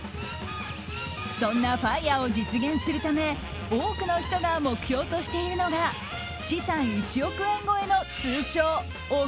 そんなＦＩＲＥを実現するため多くの人が目標としているのが資産１億円超えの通称、億